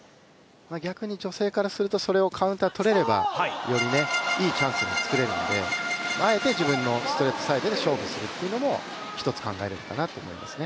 逆に女性からすると、それをカウンター取れれば、よりいいチャンスを作れるんであえて自分のストレートサイドで勝負するというのも一つ考えられるかなと思いますね。